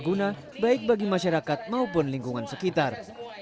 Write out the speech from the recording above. guna baik bagi masyarakat maupun lingkungan sekitar